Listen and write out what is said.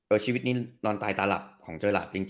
ชีวิตนี้นอนตายตาหลับของเจอหลาดจริง